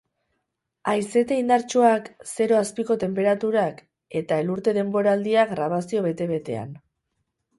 Haizete indartsuak, zero azpiko tenperaturak, eta elurte denboraldia grabazio bete-betean.